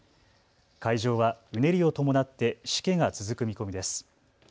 海上はうねりを伴ってしけが続く見込みです。